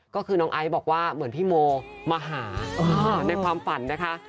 ก็คือน้องไอซ์บอกว่าเหมือนพี่โมมาหาในความฝันนะคะ